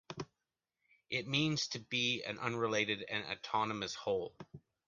It means to be an unrelated and autonomous whole.